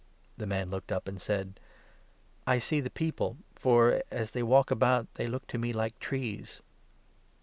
" The man looked up, and said :" I see the people, for, as they walk about, they look to me like trees."